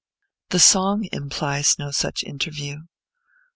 The song implies no such interview.